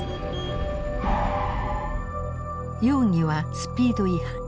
容疑はスピード違反。